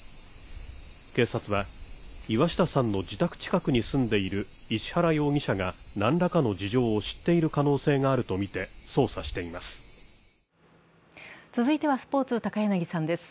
警察は、岩下さんの自宅近くに住んでいる石原容疑者が何らかの事情を知っている可能性があるとみて捜査しています。